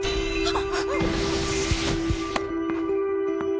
あっ。